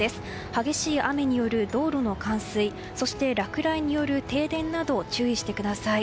激しい雨による道路の冠水そして、落雷による停電など注意してください。